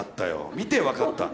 見て分かった。